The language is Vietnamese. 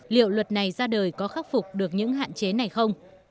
liệu luật này ra đời có khắc phục được những hạn chế này không